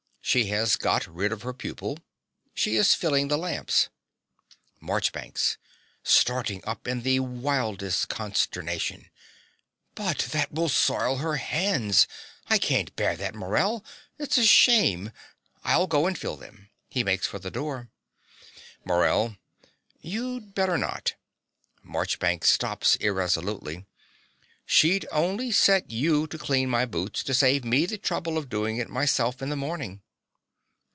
She has got rid of her pupil. She is filling the lamps. MARCHBANKS (starting up in the wildest consternation). But that will soil her hands. I can't bear that, Morell: it's a shame. I'll go and fill them. (He makes for the door.) MORELL. You'd better not. (Marchbanks stops irresolutely.) She'd only set you to clean my boots, to save me the trouble of doing it myself in the morning.